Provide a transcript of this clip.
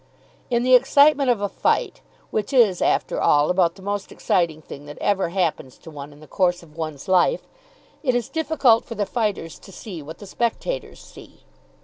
In the excitement of a fight which is, after all, about the most exciting thing that ever happens to one in the course of one's life it is difficult for the fighters to see what the spectators see.